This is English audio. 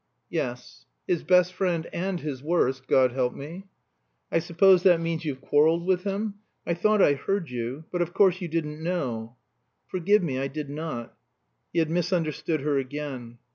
"Yes. His best friend, and his worst, God help me!" "I suppose that means you've quarreled with him? I thought I heard you. But, of course, you didn't know." "Forgive me, I did not." He had misunderstood her again!